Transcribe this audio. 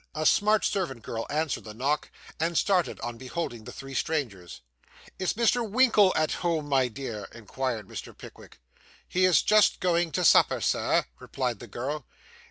A smart servant girl answered the knock, and started on beholding the three strangers. 'Is Mr. Winkle at home, my dear?' inquired Mr. Pickwick. 'He is just going to supper, Sir,' replied the girl.